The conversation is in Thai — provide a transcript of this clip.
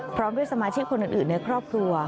พร้อมด้วยสมาชิกคนอื่นในครอบครัว